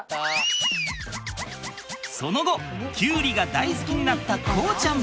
その後きゅうりが大好きになった航ちゃん。